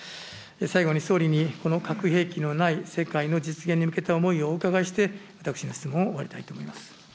最後に総理にこの核兵器のない世界の実現に向けた思いをお伺いして、私の質問を終わりたいと思います。